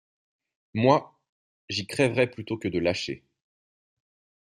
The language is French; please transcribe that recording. Moi, j’y crèverais plutôt que de lâcher.